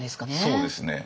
そうですね。